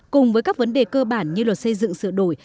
cùng với các vấn đề cơ bản như luật xây dựng sửa đổi